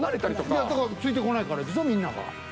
いやだからついてこないからでしょみんなが。